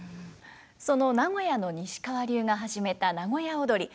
その名古屋の西川流が始めた名古屋をどり。